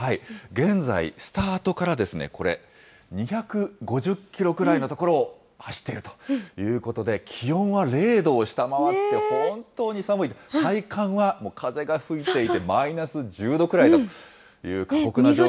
現在、スタートからこれ、２５０キロくらいの所を走っているということで、気温は０度を下回って、本当に寒いと、体感は、もう風が吹いていてマイナス１０度ぐらいだという、過酷な状況だと。